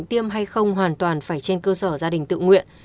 tiêm hay không hoàn toàn phải trên cơ sở gia đình tự nguyện